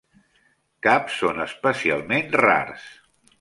Cap són especialment rars.